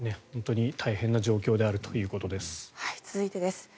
本当に大変な状況であるということです。